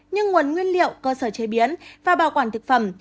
như nguồn nguyên liệu cơ sở chế biến và bảo quản thực phẩm